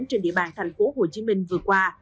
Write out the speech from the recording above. trên địa bàn tp hcm vừa qua